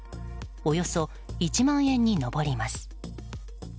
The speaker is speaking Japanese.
およそ１万円に上ります。